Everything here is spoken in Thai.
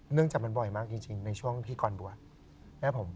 เนื่องจากมันบ่อยมากจริงในช่วงที่ก่อนบวช